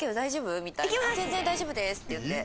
「全然大丈夫です！」って言って。